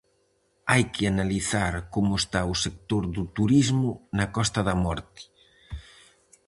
Hai que analizar como está o sector do turismo na Costa da Morte.